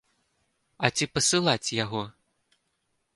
А ці пасылаць яго?